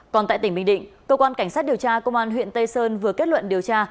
còn tại tỉnh bình định cơ quan cảnh sát điều tra công an huyện tây sơn vừa kết luận điều tra